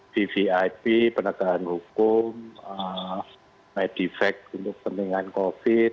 vvip penegahan hukum medifek untuk peningan covid sembilan belas